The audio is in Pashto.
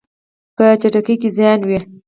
په چټکۍ کې زیان وي.